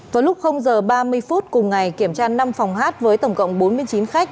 vào lúc giờ ba mươi phút cùng ngày kiểm tra năm phòng hát với tổng cộng bốn mươi chín khách